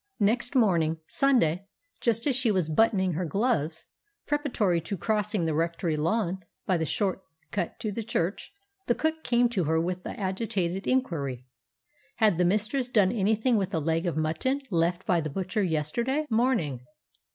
Next morning, Sunday, just as she was buttoning her gloves, preparatory to crossing the rectory lawn by the short cut to the church, the cook came to her with the agitated inquiry: Had the mistress done anything with the leg of mutton left by the butcher yesterday morning?